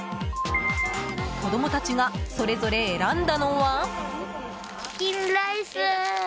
子供たちがそれぞれ選んだのは。